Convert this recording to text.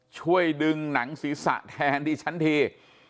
ช่วยดึงหนังศีรษะแทนที่ฉันที